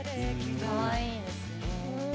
かわいいですね。